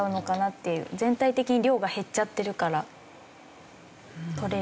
全体的に量が減っちゃってるからとれる。